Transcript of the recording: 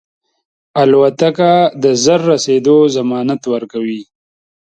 الوتکه د ژر رسېدو ضمانت ورکوي.